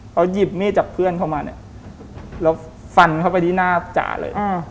เขาหยิบมีดจากเพื่อนเข้ามาเนี่ยแล้วฟันเข้าไปที่หน้าจ๋าเลย